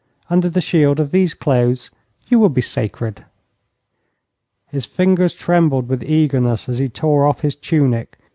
Under the shield of these clothes you will be sacred.' His fingers trembled with eagerness as he tore off his tunic.